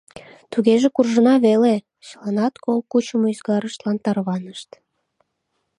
— Тугеже куржына веле, — чыланат кол кучымо ӱзгарыштлан тарванышт.